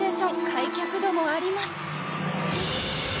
開脚度もあります。